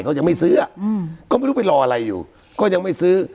เขายังไม่ซื้ออ่ะอืมก็ไม่รู้ไปรออะไรอยู่ก็ยังไม่ซื้อ